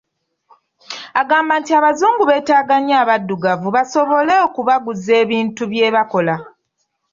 Agamba nti abazungu beetaaga nnyo abaddugavu basobole okubaguza ebintu bye bakola.